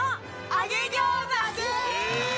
揚餃子です！